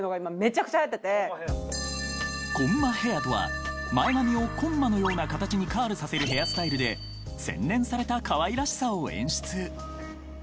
［コンマヘアとは前髪をコンマのような形にカールさせるヘアスタイルで洗練されたかわいらしさを演出］